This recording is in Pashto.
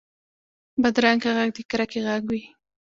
بدرنګه غږ د کرکې غږ وي